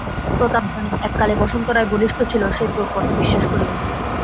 প্রতাপ জানে, এক কালে বসন্ত রায় বলিষ্ঠ ছিল, সে তাের কথা বিশ্বাস করিবে।